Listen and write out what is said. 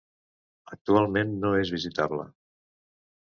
Actualment no és visitable.